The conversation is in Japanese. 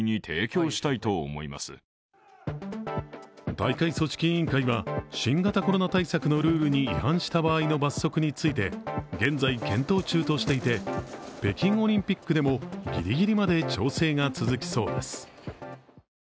大会組織委員会は新型コロナ対策のルールに違反した場合の罰則について現在検討中としていて、北京オリンピックでもギリギリまで調整が続きそうです。